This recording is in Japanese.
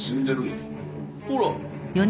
ほら。